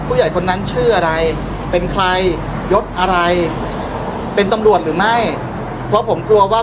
พี่แจงในประเด็นที่เกี่ยวข้องกับความผิดที่ถูกเกาหา